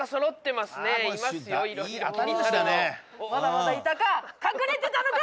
まだまだいたか！